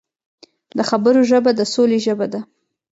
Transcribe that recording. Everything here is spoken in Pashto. د خبرو ژبه د سولې ژبه ده